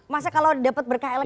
masa kalau dapat berkah elekta